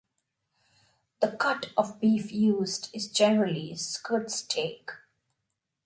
The cut of beef used is generally skirt steak.